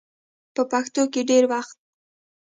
په پښتو کې ډېر وخت